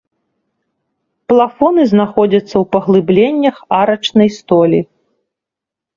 Плафоны знаходзяцца ў паглыбленнях арачнай столі.